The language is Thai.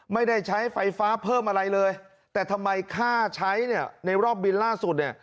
ไม่ได้ใช้ไฟฟ้าเพิ่มอะไรเลยแต่ทำไมค่าใช้เนี่ยในรอบบินล่าสุดเนี่ย